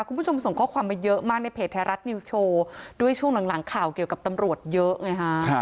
คุณผู้ชมส่งข้อความมาเยอะมากในเพจไทยรัฐนิวส์โชว์ด้วยช่วงหลังข่าวเกี่ยวกับตำรวจเยอะไงฮะ